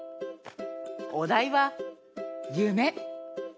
おだいはゆめ！